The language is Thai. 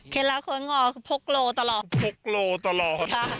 เคล็ดลับโค้งงอพกโลตลอด